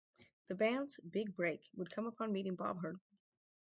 The band's big break would come upon meeting Bob Herdman.